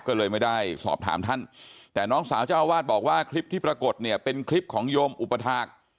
ก็เลยไม่ได้สอบถามท่านแต่น้องสาวเจ้าอาวาสบอกว่าคลิปที่ปรากฏเนี่ยเป็นคลิปของโยมอุปถาค